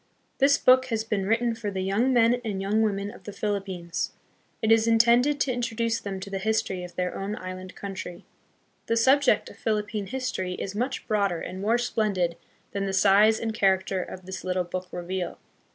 This book has been written for the young men and young women of the Philippines, It is intended to introduce them to the history of their own island country. The subject of Philippine history is much broader and more splendid than the size and char acter of this little book reveal.